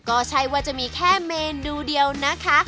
ก็ใช่ว่าจะมีแค่เมนูเดียวนะคะ